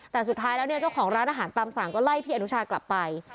แต่สุดท้ายแล้วเนี่ยเจ้าของร้านอาหารตามสั่งก็ไล่พี่อนุชากลับไป